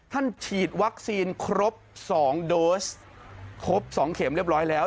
ฉีดวัคซีนครบ๒โดสครบ๒เข็มเรียบร้อยแล้ว